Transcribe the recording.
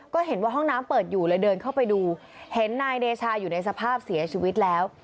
ก็เห็นว่าห้องน้ำเปิดอยู่เลยเดินเข้าไปดูเห็นนายเดชาอยู่ในสภาพเสียชีวิตแล้ว